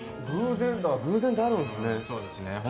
偶然ってあるんですね。